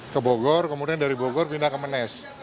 ke bogor kemudian dari bogor pindah ke menes